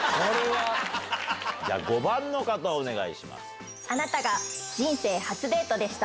じゃあ５番の方お願いします。